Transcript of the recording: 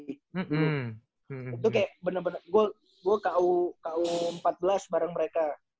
itu kayak bener bener gue ku empat belas bareng mereka